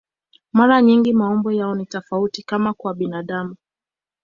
Mara nyingi maumbo yao ni tofauti, kama kwa binadamu.